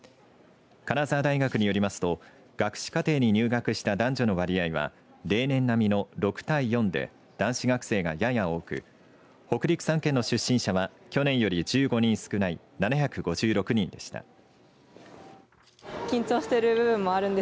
金沢大学によりますと学士課程に入学した男女の割合は例年並みの６対４で男子学生がやや多く北陸３県の出身者は去年より１５人少ない７５６人でした。